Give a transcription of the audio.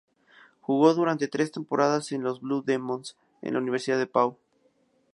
Jugó durante tres temporadas en los "Blue Demons" de la Universidad DePaul.